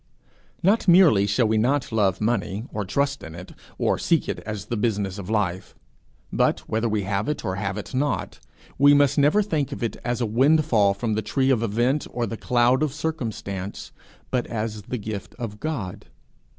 Not merely shall we not love money, or trust in it, or seek it as the business of life, but, whether we have it or have it not, we must never think of it as a windfall from the tree of event or the cloud of circumstance, but as the gift of God.